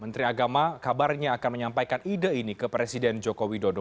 menteri agama kabarnya akan menyampaikan ide ini ke presiden joko widodo